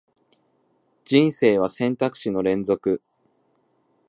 人生は選択肢の連続